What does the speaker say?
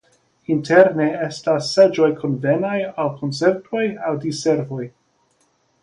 Interne estas seĝoj konvenaj al koncertoj aŭ diservoj.